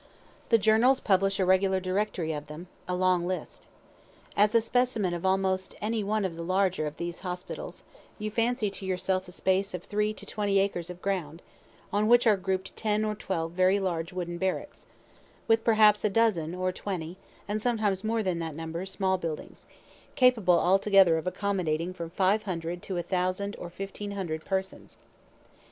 The journals publish a regular directory of them a long list. As a specimen of almost any one of the larger of these hospitals, fancy to yourself a space of three to twenty acres of ground, on which are group'd ten or twelve very large wooden barracks, with, perhaps, a dozen or twenty, and sometimes more than that number, small buildings, capable altogether of accommodating from five hundred to a thousand or fifteen hundred persons.